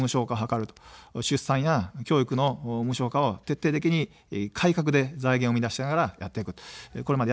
出産や教育の無償化を徹底的に改革で財源を生み出しながらやってきました。